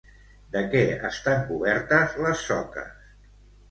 De què estan cobertes les soques?